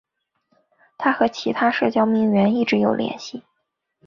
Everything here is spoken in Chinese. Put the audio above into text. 她和其他社交名媛一直有联系。